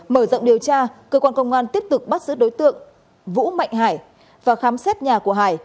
mở rộng điều tra cơ quan công an tiếp tục bắt giữ đối tượng vũ mạnh hải và khám xét nhà của hải